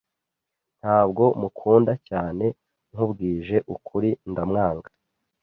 Ntabwo mukunda cyane. Nkubwije ukuri, ndamwanga.